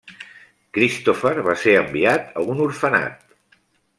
Christopher va ser enviat a un orfenat.